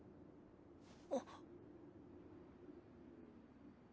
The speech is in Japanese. あっ。